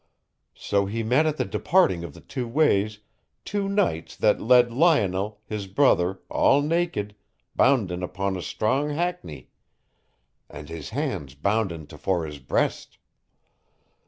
So he met at the departing of the two ways two knights that led Lionel, his brother, all naked, bounden upon a strong hackney, and his hands bounden tofore his breast.